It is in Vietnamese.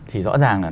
thì rõ ràng là